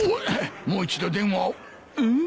もう一度電話を。